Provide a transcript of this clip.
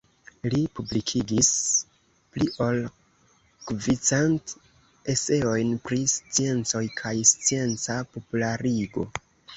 Li publikigis pli ol kvicent eseojn pri sciencoj kaj scienca popularigo.